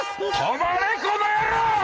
止まれこの野郎！！